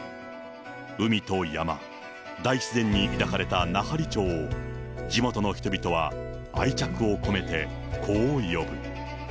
海と山、大自然に抱かれた奈半利町を、地元の人々は愛着を込めてこう呼ぶ。